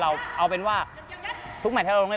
เราเอาเป็นว่าทุกแหมดที่เราต้องเล่น